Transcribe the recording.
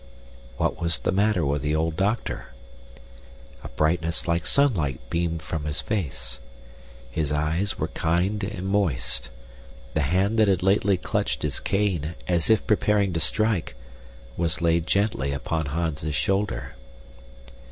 What was the matter with the old doctor? A brightness like sunlight beamed from his face. His eyes were kind and moist; the hand that had lately clutched his cane, as if preparing to strike, was laid gently upon Hans's shoulder.